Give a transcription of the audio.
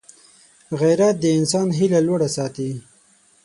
غیرت د انسان هیله لوړه ساتي